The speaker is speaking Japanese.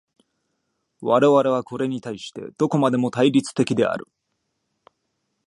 我々はこれに対してどこまでも対立的である。